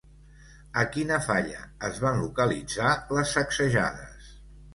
A quina falla es van localitzar les sacsejades?